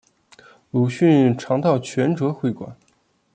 鲁迅常到全浙会馆。